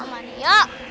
om mario bangun